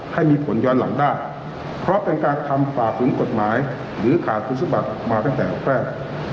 ให้มีผลย้อนหลังได้เพราะเป็นการทำฝ่าฝืนกฎหมายหรือขาดคุณสมบัติมาตั้งแต่แรก